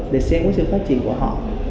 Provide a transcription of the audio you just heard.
để xem cái sự phát triển của họ